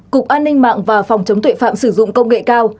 cục an ninh mạng và phòng chống tuệ phạm sử dụng công nghệ cao